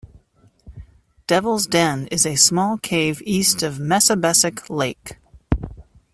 Devil's Den is a small cave east of Massabesic Lake.